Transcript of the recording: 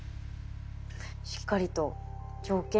しっかりと条件